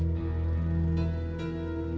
bukan bukan bukan